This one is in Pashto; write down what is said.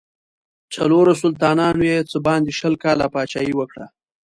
څلورو سلطانانو یې څه باندې شل کاله پاچهي وکړه.